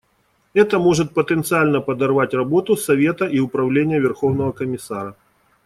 Это может потенциально подорвать работу Совета и Управления Верховного комиссара.